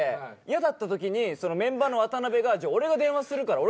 嫌だったときにメンバーの渡辺が俺が電話するから。